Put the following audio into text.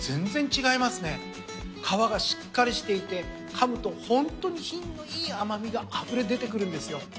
皮がしっかりしていてかむとホントに品のいい甘味があふれ出てくるんですよ。